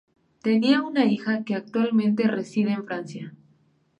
Tenía una hija que actualmente reside en Francia.